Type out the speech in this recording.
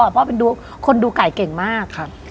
เพราะเป็นคนดูไก่เก่งมาก